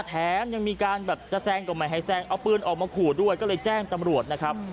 แถมยังมีการแบบจะแซงก็ไม่ให้แซงเอาปืนออกมาขู่ด้วยก็เลยแจ้งตำรวจนะครับ